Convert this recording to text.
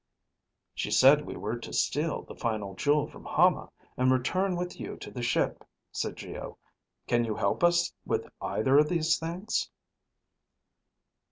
"She said we were to steal the final jewel from Hama and return with you to the ship," said Geo. "Can you help us with either of these things?"